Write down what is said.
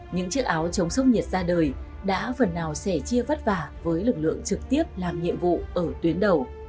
những chiếc áo chống sốc nhiệt ra đời đã phần nào sẻ chia vất vả với lực lượng trực tiếp làm nhiệm vụ ở tuyến đầu